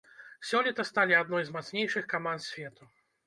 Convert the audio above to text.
Сёлета сталі адной з мацнейшых каманд свету.